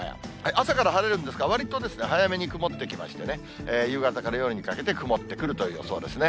朝から晴れるんですが、わりと早めの曇ってきましてね、夕方から夜にかけて曇ってくるという予想ですね。